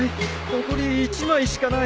残り１枚しかない